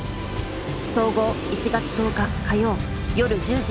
総合１月１０日火曜夜１０時。